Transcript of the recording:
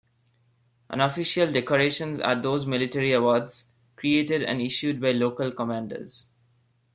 Unofficial decorations are those military awards created and issued by local commanders.